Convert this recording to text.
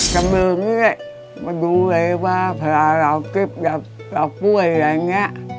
สำเริงเนี่ยมาดูเลยว่าพลาเหล่าจิ๊บหยับเจ้าป้วยอะไรอย่างเนี้ย